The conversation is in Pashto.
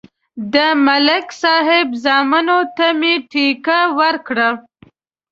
د ملک صاحب زامنو ته مې ټېکه ورکړه